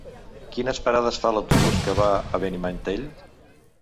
Quines parades fa l'autobús que va a Benimantell?